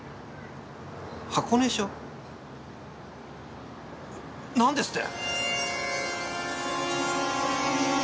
箱根署？なんですって！？